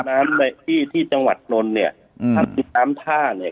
น้ำที่จังหวัดนนท์เนี่ยถ้ามีน้ำท่าเนี่ย